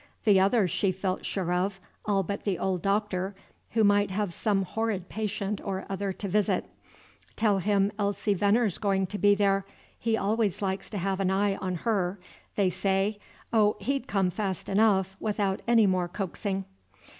The others she felt sure of, all but the old Doctor, he might have some horrid patient or other to visit; tell him Elsie Venner's going to be there, he always likes to have an eye on her, they say, oh, he'd come fast enough, without any more coaxing.